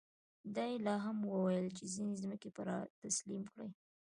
دا یې لا هم ویل چې ځینې ځمکې به را تسلیم کړي.